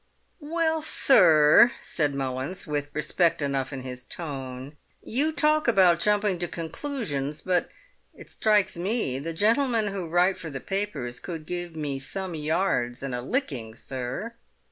"Well, sir," said Mullins, with respect enough in his tone, "you talk about jumping to conclusions, but it strikes me the gentleman who write for the papers could give me some yards and a licking, sir!"